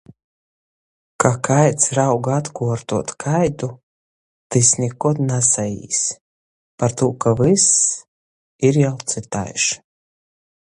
Ka kaids rauga atkuortuot kaidu, tys nikod nasaīs, partū ka vyss ir jau cytaiž.